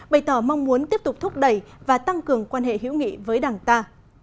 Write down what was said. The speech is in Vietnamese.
bày tỏ mong muốn tiếp tục thúc đẩy và tăng cường quan hệ hữu nghị với đảng ta